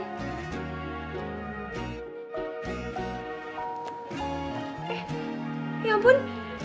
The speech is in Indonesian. eh ya ampun